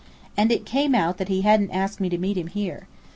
And it came out that he hadn't asked me to meet him here.